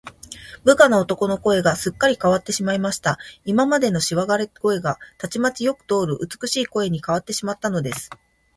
部下の男の声が、すっかりかわってしまいました。今までのしわがれ声が、たちまちよく通る美しい声にかわってしまったのです。